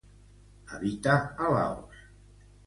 Habita a Laos.